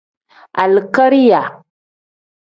Alikariya.